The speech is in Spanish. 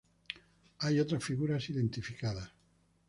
Hay otras figuras identificadas.